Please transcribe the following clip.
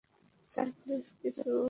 Sir please, কিছু বলুন না?